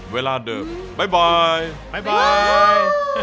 เวลาเดิมบ๊ายบ๊าย